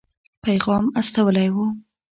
پیغام استولی وو.